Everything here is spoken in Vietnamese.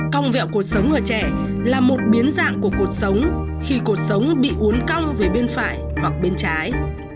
cong vẹo cuộc sống ở trẻ là một biến dạng của cuộc sống khi cuộc sống bị uốn cong về bên phải hoặc bên trái